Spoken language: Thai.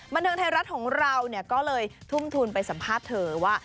บันเทิงไทยรัฐของเราก็เลยทุ่มทุนไปสัมภาษณ์เธอว่า